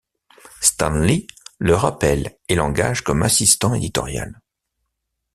Stan Lee le rappelle et l'engage comme assistant éditorial.